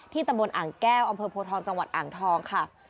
ที่ตำบลอ่างแก้วอโภทองจอ่างทองค่ะ